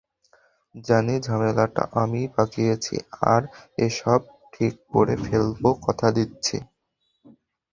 জানি, ঝামেলাটা আমিই পাকিয়েছি, আর এসব ঠিক করে ফেলবো, কথা দিচ্ছি।